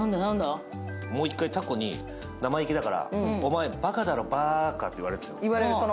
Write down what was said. もう一回タコに生意気だから、おまえバカだろ、バーカって言われるんです。